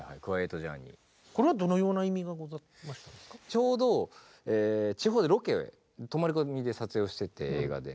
ちょうど地方でロケ泊まり込みで撮影をしてて映画で。